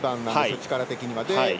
力的には。